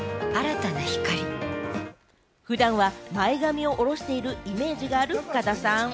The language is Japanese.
普段は前髪を下ろしているイメージがある深田さん。